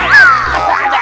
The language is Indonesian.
aduh aduh aduh